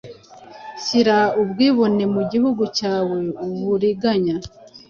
shyira ubwibone mu gihugu cyawe, uburiganya,